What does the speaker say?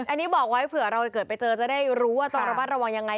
อันนี้บอกไว้เผื่อเราเกิดไปเจอจะได้รู้ว่าต้องระมัดระวังยังไง